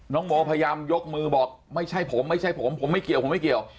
น้องโมพยายามยกมือบอกไม่ใช่ผมไม่ใช่ผมผมไม่เกี่ยวผมไม่เกี่ยว